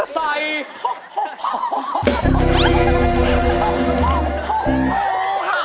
ใส่โฮโฮโฮ